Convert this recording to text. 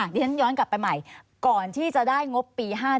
ดิฉันย้อนกลับไปใหม่ก่อนที่จะได้งบปี๕๗